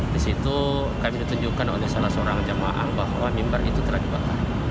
disitu kami ditunjukkan oleh salah seorang jemaah bahwa mimbar itu telah dibakar